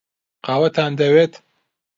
قاوەتان دەوێت؟